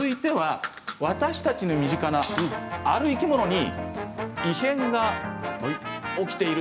私たちに身近な、ある生き物に異変が起きている。